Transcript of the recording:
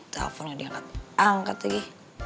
teleponnya diangkat angkat lagi